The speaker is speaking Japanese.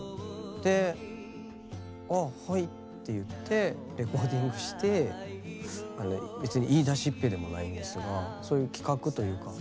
で「あはい」って言ってレコーディングして別に言いだしっぺでもないんですがそういう企画というか。